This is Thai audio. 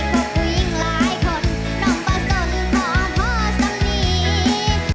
น้องป่าสนขอโทษสำนีด